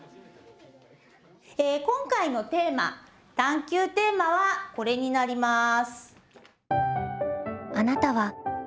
今回のテーマ探究テーマはこれになります。